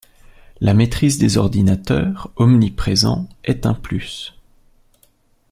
La maitrise des ordinateurs, omniprésents, est un plus.